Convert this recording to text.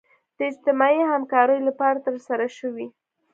د اجتماعي همکاریو لپاره ترسره شوي.